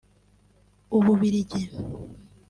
u Bubiligi)